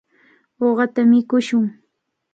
Uqata mikushun.